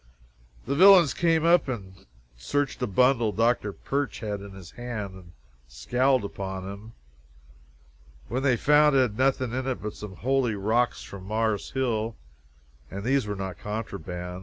The villains came up and searched a bundle Dr. Birch had in his hand, and scowled upon him when they found it had nothing in it but some holy rocks from Mars Hill, and these were not contraband.